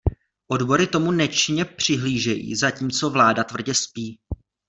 Odbory tomu nečinně přihlížejí, zatímco vláda tvrdě spí.